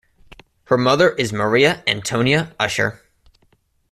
Her mother is Maria Antonia Ussher.